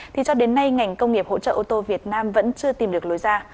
thì cho đến nay ngành công nghiệp hỗ trợ ô tô việt nam vẫn chưa tìm được lối ra